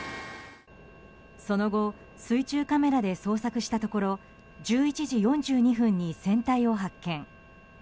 その後、水中カメラで捜索したところ１１時４２分に船体を発見。